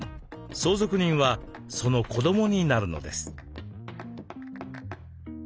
相続人はその子どもになるのです。